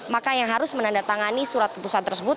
maka yang harus menandatangani surat keputusan tersebut